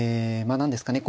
何ですかね